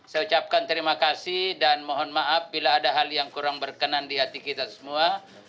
saya ucapkan terima kasih dan mohon maaf bila ada hal yang kurang berkenan di hati kita semua